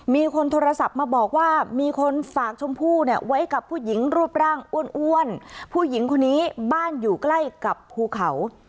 มีคนโทรศัพท์มาบอกว่ามีคนฝากชมพู่เนี่ยไว้กับผู้หญิงรูปร่างอ้วนผู้หญิงคนนี้บ้านอยู่ใกล้กับภูเขา